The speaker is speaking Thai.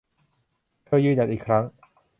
เธอยืนหยัดอีกครั้ง